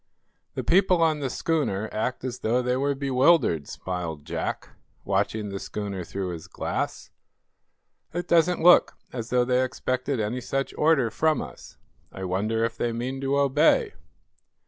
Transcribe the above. "The people on the schooner act as though they were bewildered," smiled Jack, watching the schooner through his glass. "It doesn't look as though they expected any such order from us. I wonder if they mean to obey?"